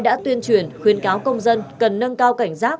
đã tuyên truyền khuyến cáo công dân cần nâng cao cảnh giác